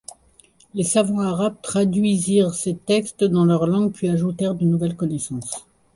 Les savants arabes traduisirent ces textes dans leur langue puis ajoutèrent de nouvelles connaissances.